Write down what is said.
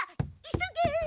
急げ！